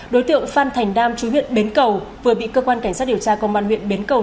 đối tượng phan thành đam chú huyện bến cầu vừa bị cơ quan cảnh sát điều tra công an huyện bến cầu